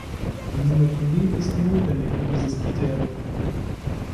Die Monotonie ist notwendig für dieses Kriterium.